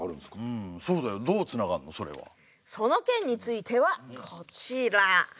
その件についてはこちら。